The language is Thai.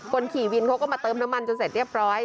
คนขี่วินเขาก็มาเติมน้ำมันจนเสร็จเรียบร้อย